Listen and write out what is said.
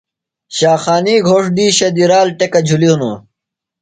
شاخانی گھوݜٹ دِیشہ دی رال ٹیکہ جُھلیۡ ہِنوۡ۔